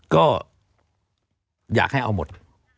ก็อยากให้เอาหมด